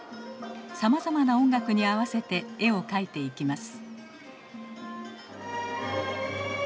さまざまな音楽に合わせて絵を描いていきます。